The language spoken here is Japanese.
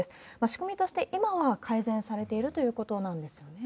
仕組みとして、今は改善されているということなんですよね。